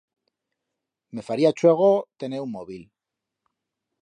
Me faría chuego tener un móbil.